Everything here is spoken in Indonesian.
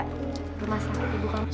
permasalah ibu kamu